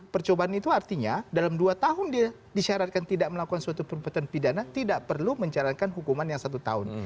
percobaan itu artinya dalam dua tahun dia disyaratkan tidak melakukan suatu perbuatan pidana tidak perlu menjalankan hukuman yang satu tahun